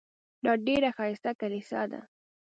دا ډېره ښایسته کلیسا ده.